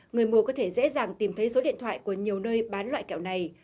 người mua có thể dễ dàng tìm thấy số điện thoại của nhiều nơi bán loại kẹo này